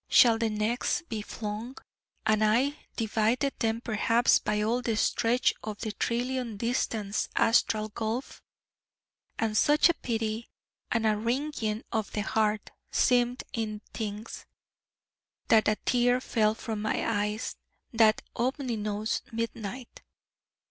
shall she next be flung, and I, divided then perhaps by all the stretch of the trillion distanced astral gulf?' And such a pity, and a wringing of the heart, seemed in things, that a tear fell from my eyes that ominous midnight.